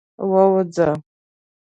ووځه.